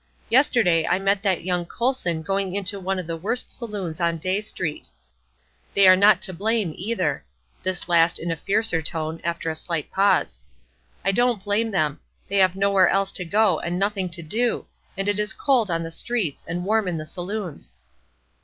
Yesterday I met that young Colson going into one of the worst saloons on Dey Street. They are not to blame, either." This last in a fiercer tone, after a slight pause. "I don't blame them; they have nowhere else to go, and nothing to do; and it is cold on the streets, and warm in the saloons."